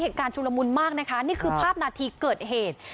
นี่เหตุการณ์ชูระมุนมากนะคะนี่คือภาพหนาทีเกิดเหตุ